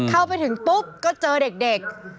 เข้าไปถึงปุ๊บก็เจอเด็ก